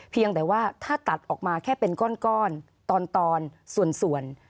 เพียงแต่ว่าถ้าตัดออกมาแค่เป็นก้อนตอนส่วน